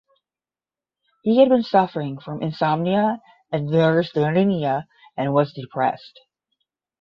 He had been suffering from insomnia and neurasthenia and was depressed.